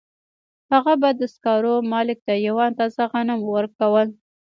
هغه به د سکارو مالک ته یوه اندازه غنم ورکول